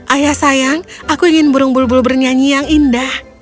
ayah sayang aku ingin burung bulbul bernyanyi yang indah